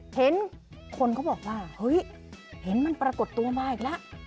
เห็นคนเขาบอกว่าเฮ้ยเห็นมันปรากฏตัวมาอีกแล้ว